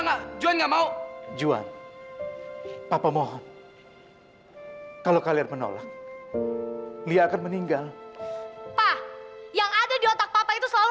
tidak ada yang bisa halahsa dipersiapkan radiant